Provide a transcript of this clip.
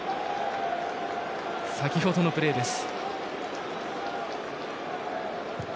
先ほどのプレーです。